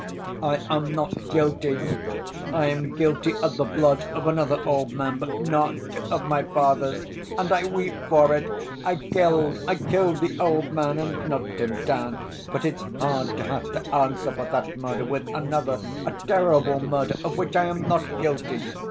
"I am not guilty. I am guilty of the blood of another old man but not of my father's. And I weep for it! I killed, I killed the old man and knocked him down.... But it's hard to have to answer for that murder with another, a terrible murder of which I am not guilty....